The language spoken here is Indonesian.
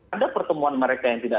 ada pertemuan mereka yang tidak